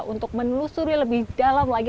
untuk menelusuri lebih dalam lagi